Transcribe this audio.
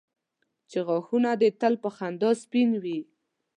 چې غاښونه دي تل په خندا سپین وي.